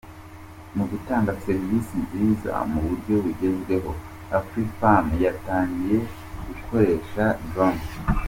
Mu gutanga serivisi nziza mu buryo bugezweho, Afrifame yatangiye gukoresha 'Drone'.